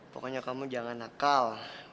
pokoknya kamu jangan nakal